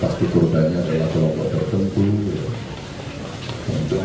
saat bertemu para seniman dan akademisi di rumah butet kertarejasa di bantul yogyakarta